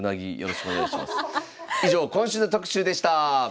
以上今週の特集でした！